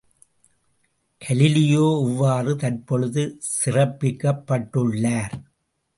Galileo எவ்வாறு தற்பொழுது சிறப்பிக்கப்பட்டுள்ளார்?